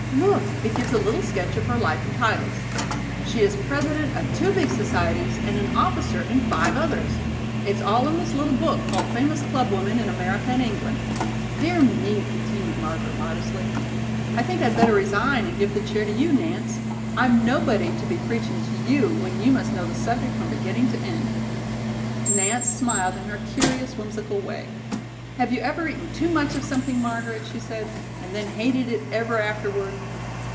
Look, it gives a little sketch of her life and titles. She is president of two big societies and an officer in five others. It's all in this little book called 'Famous Club Women in America and England.' Dear me," continued Margaret modestly, "I think I'd better resign and give the chair to you, Nance. I'm nobody to be preaching to you when you must know the subject from beginning to end." Nance smiled in her curious, whimsical way. "Have you ever eaten too much of something, Margaret," she said, "and then hated it ever afterward?"